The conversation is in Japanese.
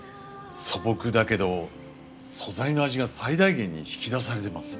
素朴だけど素材の味が最大限に引き出されてます。